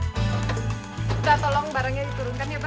kita tolong barangnya diturunkan ya pak